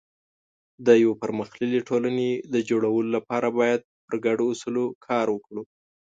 د یو پرمختللي ټولنې د جوړولو لپاره باید پر ګډو اصولو کار وکړو.